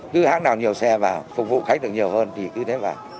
cứ hãng nào nhiều xe vào phục vụ khách được nhiều hơn thì cứ thế vào